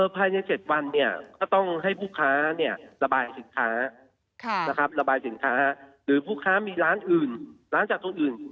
ภายใน๗วันก็ต้องให้ผู้ค้าระบายสินค้าระบายสินค้าหรือผู้ค้ามีร้านอื่นร้านจากตรงอื่น